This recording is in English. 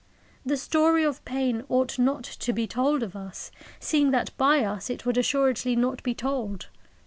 The story of pain ought not to be told of us, seeing that by us it would assuredly not be told.